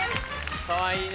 かわいいね。